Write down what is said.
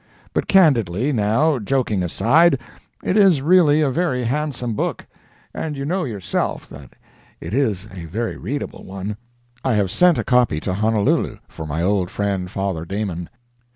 But candidly, now, joking aside, it is really a very handsome book, and you know yourself that it is a very readable one. I have sent a copy to Honolulu for my old friend, Father Damon.